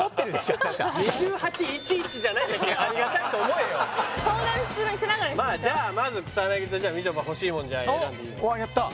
あなたじゃないだけありがたいと思えよ相談しながらにしましょまあじゃあまず草薙とじゃあみちょぱ欲しいもん選んでいいようわやった